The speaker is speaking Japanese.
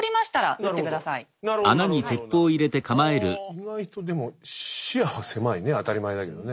意外とでも視野は狭いね当たり前だけどね。